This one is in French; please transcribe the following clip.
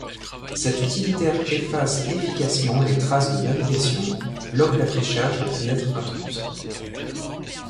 Cet utilitaire efface efficacement les traces de navigation, bloque l'affichage des fenêtres intruses.